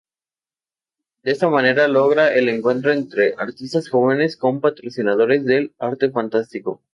De esta manera logra el encuentro entre artistas jóvenes con patrocinadores del Arte Fantástico.